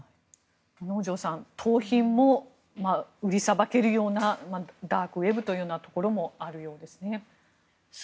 能條さん盗品も売りさばけるようなダークウェブというところもあるようですね。